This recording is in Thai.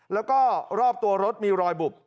แล้วก็รอบตัวรถมีรอยบุบ